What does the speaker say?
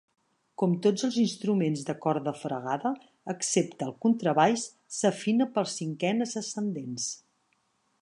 Com tots els instruments de corda fregada, excepte el contrabaix, s'afina per cinquenes ascendents.